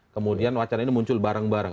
kemudian wacana ini muncul bareng bareng